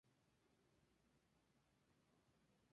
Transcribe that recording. Manuel Peña Muñoz"Historia de la Literatura Infantil Chilena"